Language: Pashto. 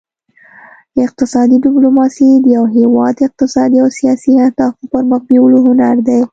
اقتصادي ډیپلوماسي د یو هیواد اقتصادي او سیاسي اهدافو پرمخ بیولو هنر دی